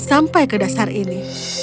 sampai ke dasar ini